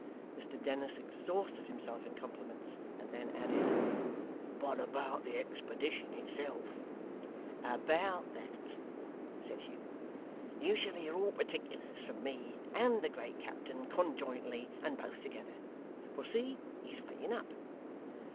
Mr Dennis exhausted himself in compliments, and then added, 'But about the expedition itself ' 'About that,' said Hugh, 'you shall hear all particulars from me and the great captain conjointly and both together for see, he's waking up.